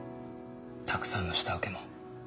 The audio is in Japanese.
たくさんの下請けも。